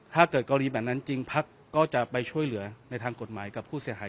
ถ้าเกิดกรณีแบบนั้นจริงพักก็จะไปช่วยเหลือในทางกฎหมายกับผู้เสียหาย